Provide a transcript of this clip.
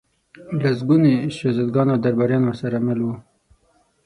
لسګوني شهزادګان او درباریان ورسره مل ول.